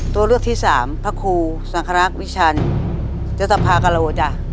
ตัวเลือกที่สามพระครูสังครักษ์วิชันยัตภากะโลจ้ะ